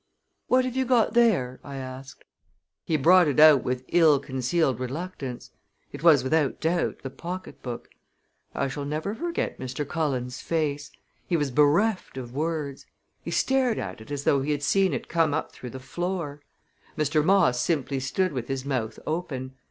"What have you got there?" I asked. He brought it out with ill concealed reluctance. It was, without doubt, the pocketbook. I shall never forget Mr. Cullen's face! He was bereft of words. He stared at it as though he had seen it come up through the floor. Mr. Moss simply stood with his mouth open.